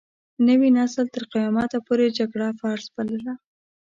نوي نسل تر قيامت پورې جګړه فرض بلله.